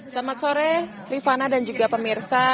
selamat sore rifana dan juga pemirsa